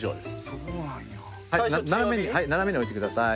斜めに置いてください。